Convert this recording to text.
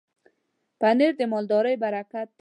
پنېر د مالدارۍ برکت دی.